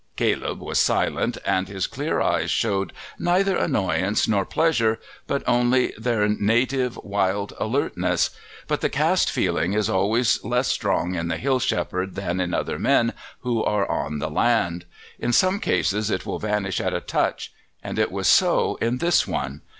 Caleb was silent, and his clear eyes showed neither annoyance nor pleasure but only their native, wild alertness, but the caste feeling is always less strong in the hill shepherd than in other men who are on the land; in some cases it will vanish at a touch, and it was so in this one.